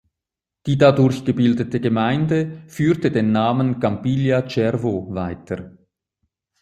Die dadurch gebildete Gemeinde führt den Namen Campiglia Cervo weiter.